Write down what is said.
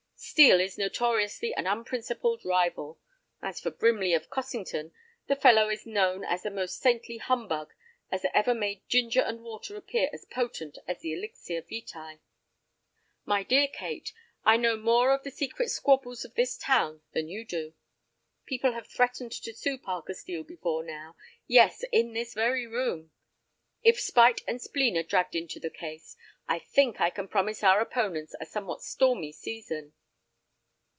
Steel is notoriously an unprincipled rival; as for Brimley, of Cossington, the fellow is known as the most saintly humbug as ever made ginger and water appear as potent as the elixir vitæ. My dear Kate, I know more of the secret squabbles of this town than you do. People have threatened to sue Parker Steel before now—yes, in this very room. If spite and spleen are dragged into the case, I think I can promise our opponents a somewhat stormy season."